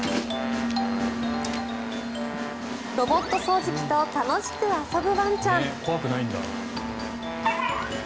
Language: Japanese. ロボット掃除機と楽しく遊ぶワンちゃん。